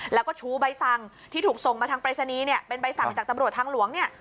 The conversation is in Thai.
แล้วก็ชูใบสั่งที่ถูกส่งมาทางปริศนีย์เนี่ยเป็นใบสั่งจากตำรวจทางหลวงเนี่ย